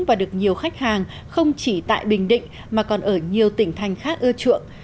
và được nhiều khách hàng không chỉ tại bình định mà còn ở nhiều tỉnh thành khác ưa chuộng